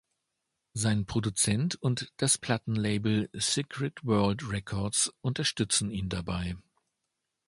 Sein Produzent und das Plattenlabel „Secret Word Records“ unterstützen ihn dabei.